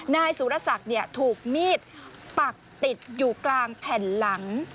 นายสุรศักดิ์ถูกมีดปักติดอยู่กลางแผ่นหลัง